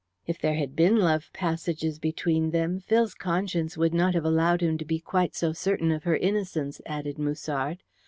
"If there had been love passages between them, Phil's conscience would not have allowed him to be quite so certain of her innocence," added Musard.